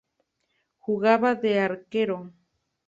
Jugaba de arquero.